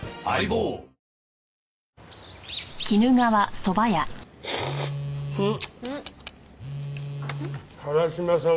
うん。